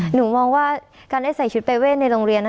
หนูมองว่าการได้ใส่ชุดประเวทในโรงเรียน